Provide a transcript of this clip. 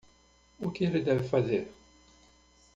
O que ele deve fazer?